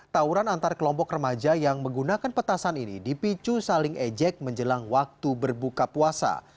tawuran antar kelompok remaja yang menggunakan petasan ini dipicu saling ejek menjelang waktu berbuka puasa